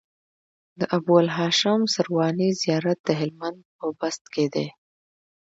د ابوالهاشم سرواني زيارت د هلمند په بست کی دی